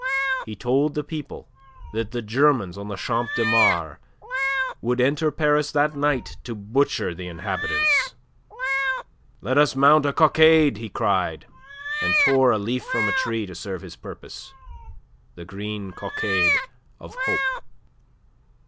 He told the people that the Germans on the Champ de Mars would enter Paris that night to butcher the inhabitants. "Let us mount a cockade!" he cried, and tore a leaf from a tree to serve his purpose the green cockade of hope.